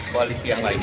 koalisi yang lain